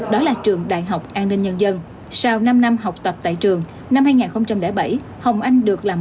đó là trường đại học an ninh nhân dân sau năm năm học tập tại trường năm hai nghìn bảy hồng anh được làm